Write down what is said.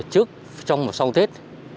trước trong và sau tết